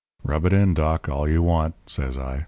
"'Rub it in, Doc, all you want,' says I.